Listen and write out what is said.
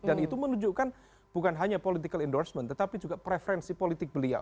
dan itu menunjukkan bukan hanya political endorsement tetapi juga preferensi politik beliau